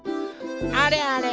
あれあれ。